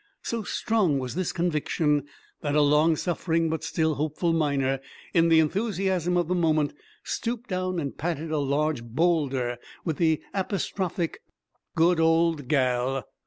So strong was this conviction that a long suffering but still hopeful miner, in the enthusiasm of the moment, stooped down and patted a large boulder with the apostrophic "Good old gal!"